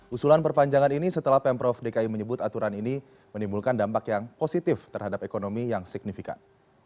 usulan perpanjangan ini setelah pemprov dki menyebut aturan ini menimbulkan dampak yang positif terhadap ekonomi yang signifikan